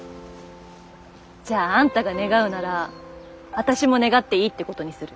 じゃああんたが願うならあたしも願っていいってことにする。